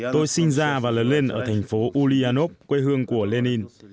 tôi sinh ra và lớn lên ở thành phố ulyanov quê hương của lenin